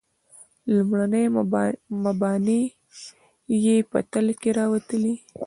لومړني مباني یې په تله کې راوتلي.